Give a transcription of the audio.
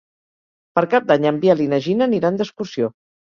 Per Cap d'Any en Biel i na Gina aniran d'excursió.